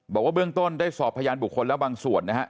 บอกว่าเบื้องต้นได้สอบพยานบุคคลแล้วบางส่วนนะครับ